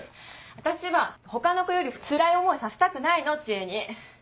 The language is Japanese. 私は他の子よりつらい思いさせたくないの知恵に。